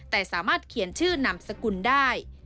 แต่สามารถเขียนชื่อนามสกุลได้